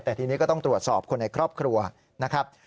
แต่ทีนี้ก็ต้องตรวจสอบคนในครอบครัวนะครับ